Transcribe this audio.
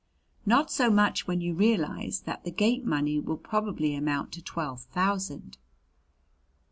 "Not so much when you realize that the gate money will probably amount to twelve thousand."